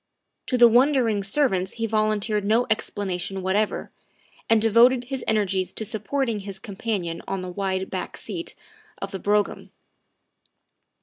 To the wondering servants he volunteered no explanation whatever, and devoted his energies to supporting his companion on the wide back seat of the brougham.